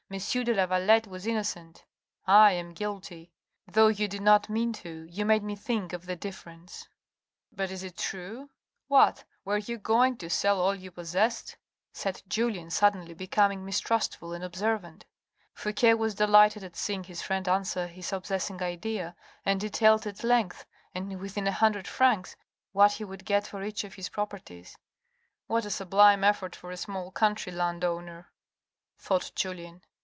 de Lavalette was innocent — I am guilty. Though you did not mean to, you made me think of the difference "" But is it true ? What ? were you going to sell all you possessed ?" said Julien, suddenly becoming mistrustful and observant. Fouque was delighted at seeing his friend answer his obsessing idea, and detailed at length, and within a hundred francs, what he would get for each of his properties. " What a sublime effort for a small country land owner," thought Julien.